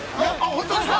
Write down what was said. ◆本当ですか？